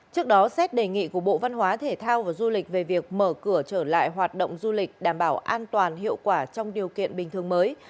trước đó xét đề nghị của bộ văn hóa thể thao và du lịch về việc mở cửa trở lại hoạt động du lịch đảm bảo an toàn hiệu quả trong điều kiện bình thường mới